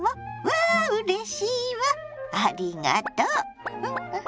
わあうれしいわありがとう！